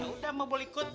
udah mak boleh ikut deh